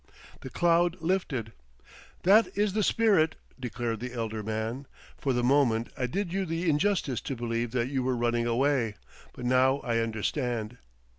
The cloud lifted. "That is the spirit!" declared the elder man. "For the moment I did you the injustice to believe that you were running away. But now I understand.